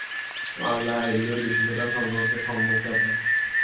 আল্লাহ এগুলোর বিশুদ্ধতা সম্পর্কে সম্যক জ্ঞাত।